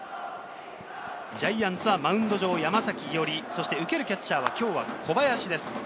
ジャイアンツはマウンド上、山崎伊織、受けるキャッチャーは今日は小林です。